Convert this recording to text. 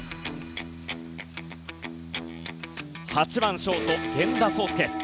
８番ショート、源田壮亮。